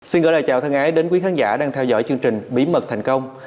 xin gửi lời chào thân ái đến quý khán giả đang theo dõi chương trình bí mật thành công